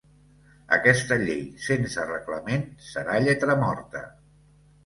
Aquesta llei, sense reglament, serà lletra morta.